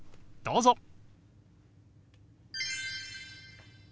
どうぞ。